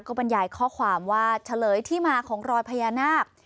บรรยายข้อความว่าเฉลยที่มาของรอยพญานาค